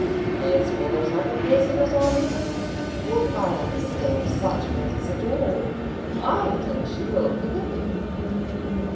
As for that other person at Allington, if I understand such matters at all, I think she will forgive you."